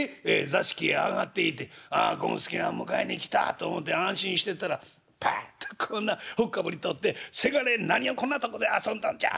座敷へ上がって行て『権助が迎えに来た』と思て安心してたらパッとこうなほっかぶり取って『せがれ何をこんなとこで遊んどんじゃ！』